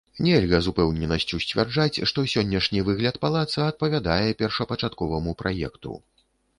Нельга з упэўненасцю сцвярджаць, што сённяшні выгляд палаца адпавядае першапачатковаму праекту.